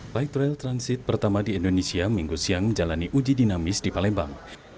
light rail transit pertama di indonesia minggu siang menjalani uji dinamis di palembang